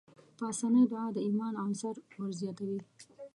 پاسنۍ دعا د ايمان عنصر ورزياتوي.